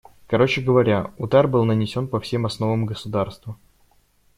Короче говоря, удар был нанесен по всем основам государства.